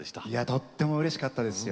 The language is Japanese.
とってもうれしかったですよ。